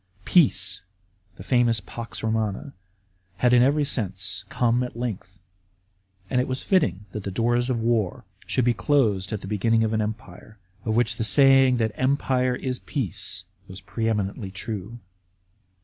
Peace (the famous pax Romano) had in every sense come at length, and it was fitting that the doors of war should be closed at the beginning of an empire, of which the saying that " Empire is peace," * was pre eminently true.